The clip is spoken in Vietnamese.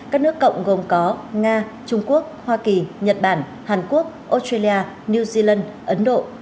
các nước cộng gồm có nga trung quốc hoa kỳ nhật bản hàn quốc australia new zealand ấn độ